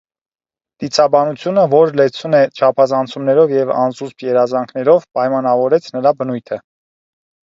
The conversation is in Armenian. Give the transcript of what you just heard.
Դիցաբանությունը, որ լեցուն է չափազանցումներով և անզուսպ երազանքներով, պայմանավորեց նրա բնույթը։